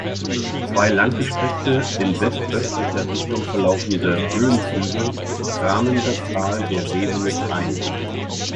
Zwei langgestreckte, in westöstlicher Richtung verlaufende Höhenzüge rahmen das Tal der Wesenitz ein.